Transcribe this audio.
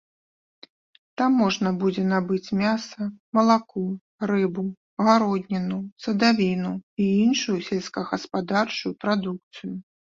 Там можна будзе набыць мяса, малако, рыбу, гародніну, садавіну і іншую сельскагаспадарчую прадукцыю.